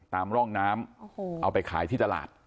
ตามร่องน้ำเอาไปขายที่ตลาด